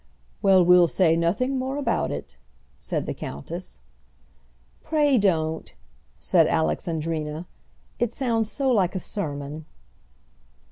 "Well; we'll say nothing more about it," said the countess. "Pray don't," said Alexandrina. "It sounds so like a sermon."